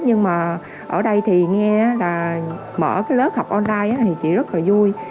nhưng mà ở đây thì nghe là mở cái lớp học online thì chị rất là vui